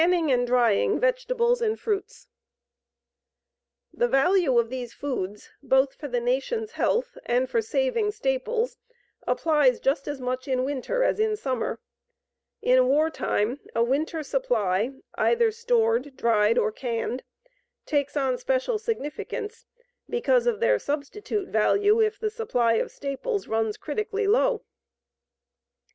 CANNING AND DRYING VEGETABLES AND FRUITS The value of these foods both for the nation's health and for saving staples applies just as much in winter as in summer. In war time, a winter supply, either stored, dried, or canned, takes on special significance because of their substitute value if the supply of staples runs critically low.